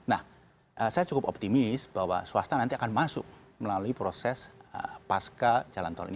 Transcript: nah saya cukup optimis bahwa swasta nanti akan masuk melalui proses pasca jalan tol ini